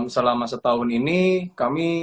selama setahun ini kami